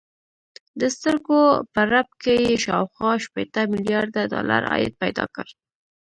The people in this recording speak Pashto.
د سترګو په رپ کې يې شاوخوا شپېته ميليارده ډالر عايد پيدا کړ.